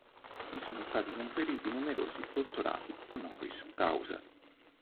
Gli sono stati conferiti numerosi dottorati honoris causa.